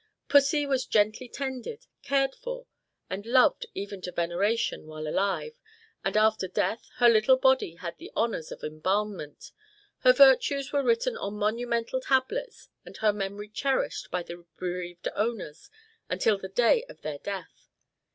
Pussy was gently tended, cared for, and loved even to veneration, while alive, and after death, her little body had the honours of embalmment; her virtues were written on monumental tablets, and her memory cherished by the bereaved owners until the day of their death.